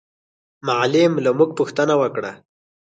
معلم له موږ پوښتنه وکړه.